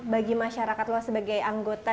bagi masyarakat luas sebagai anggota